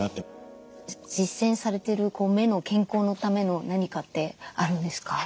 実践されてる目の健康のための何かってあるんですか？